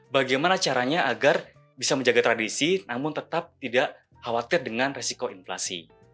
bagaimana caranya agar bisa menjaga tradisi namun tetap tidak khawatir dengan resiko inflasi